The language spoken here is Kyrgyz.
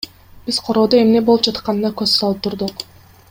Биз короодо эмне болуп жатканына көз салып турдук.